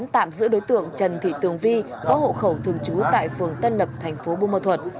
tạm giữ đối tượng trần thị tường vi có hộ khẩu thường trú tại phường tân lập thành phố bùa thuật